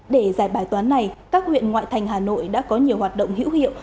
để giải bài toán này các huyện ngoại thành hà nội đã có nhiều hoạt động hữu hiệu